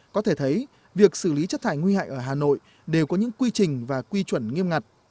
có thể thấy việc xử lý chất thải nguy hại ở hà nội đều có những quy trình và quy chuẩn nghiêm ngặt